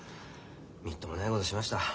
みっともないことしました。